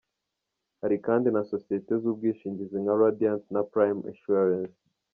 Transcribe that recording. Hari kandi na sosiyete z’ubwishingizi nka Radiant na Prime Insurance.